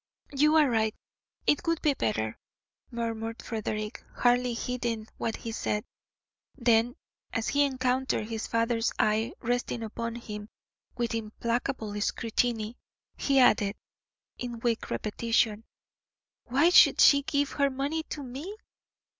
"You are right; it would be better," murmured Frederick, hardly heeding what he said. Then, as he encountered his father's eye resting upon him with implacable scrutiny, he added, in weak repetition: "Why should she give her money to me?